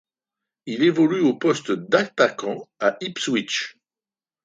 Il évolue au poste d'attaquant à Ipswich.